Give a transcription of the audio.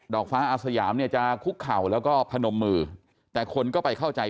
อกฟ้าอาสยามเนี่ยจะคุกเข่าแล้วก็พนมมือแต่คนก็ไปเข้าใจ